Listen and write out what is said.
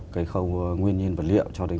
cái khâu nguyên nhân vật liệu cho đến